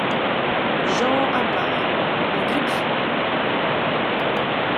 Jean, à part. — Un grippe-sous !